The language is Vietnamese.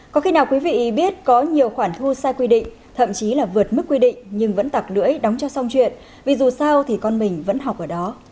có khi nào quý vị biết có nhiều khoản thu sai quy định thậm chí là vượt mức quy định nhưng vẫn tạc lưỡi đóng cho xong chuyện vì dù sao thì con mình vẫn học ở đó